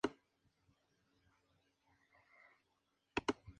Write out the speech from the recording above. Luego se casó con Mitzi Martin, una actriz y modelo estadounidense.